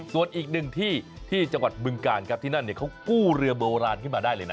ส่วนอีกหนึ่งที่ที่จังหวัดบึงกาลครับที่นั่นเขากู้เรือโบราณขึ้นมาได้เลยนะ